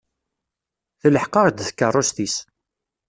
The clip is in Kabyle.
Telḥeq-aɣ-d tkeṛṛust-is.